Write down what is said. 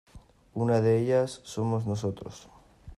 una de ellas somos nosotros.